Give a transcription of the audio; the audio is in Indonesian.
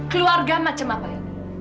keluarga macam apa ini